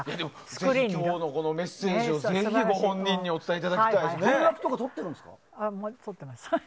省吾のメッセージをぜひお伝えいただきたいですね。